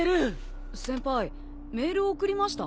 先輩メール送りました？